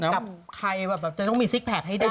กับใครแบบจะต้องมีซิกแพคให้ได้